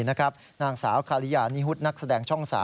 นางสาวคาริยานิฮุตนักแสดงช่อง๓